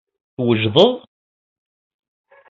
Twejdeḍ?